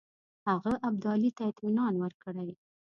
هغه ابدالي ته اطمینان ورکړی.